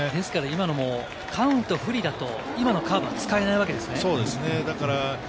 今のもカウント不利だと、今のカーブは使えないわけですね。